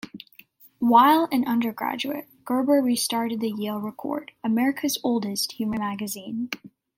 While an undergraduate, Gerber restarted "The Yale Record", America's oldest humor magazine.